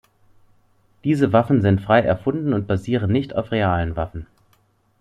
Diese Waffen sind frei erfunden und basieren nicht auf realen Waffen.